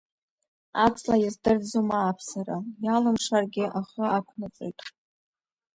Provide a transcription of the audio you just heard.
Аҵла иаздырӡом ааԥсара, иалымшаргьы ахы ақәнаҵоит.